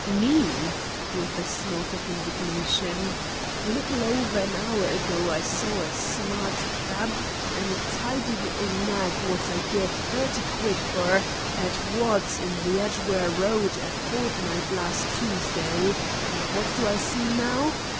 "Me!" with a snort of indignation. "Little over an hour ago I sawr a smawt keb an' a tidy little nag wot I gev thirty quid fer at Ward's in the Edgware Road a fortnight larst Toosday. And wot do I see now?